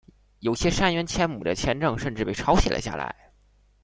有些杉原千亩的签证甚至被抄写了下来。